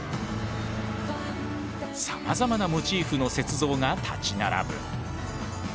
さまざまなモチーフの雪像が立ち並ぶ。